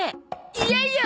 いやいや！